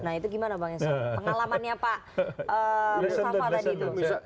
nah itu bagaimana bang esok pengalamannya pak